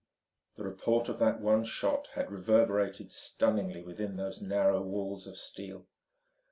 The report of that one shot had reverberated stunningly within those narrow walls of steel.